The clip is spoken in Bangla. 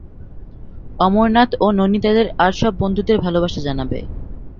অমরনাথ ও নৈনিতালের আর সব বন্ধুদের ভালবাসা জানাবে।